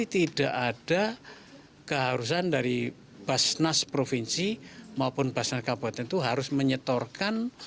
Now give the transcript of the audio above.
tidak ada keharusan dari basnas provinsi maupun basnas kabupaten itu harus menyetorkan